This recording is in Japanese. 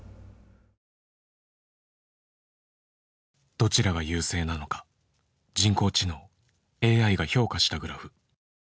どちらが優勢なのか人工知能・ＡＩが評価したグラフ。